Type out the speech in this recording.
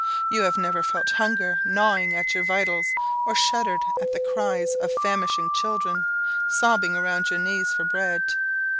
You have never felt hunger gnawing at your vitals, or shuddered at the cries of famishing children, sobbing around your knees for bread.